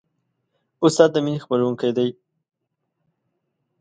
استاد د مینې خپروونکی دی.